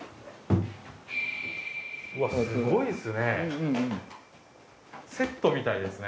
うわっすごいですね。